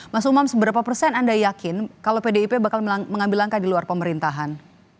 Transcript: mas umam seberapa persen anda yakin kalau pdip bakal mengambil langkah di luar pemerintahan